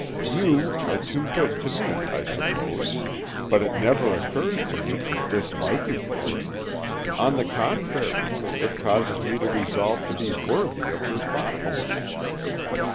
You are too good to me, I suppose, but it never occurs to me to dislike you for it; on the contrary, it causes me to resolve to be worthy of your thoughtfulness.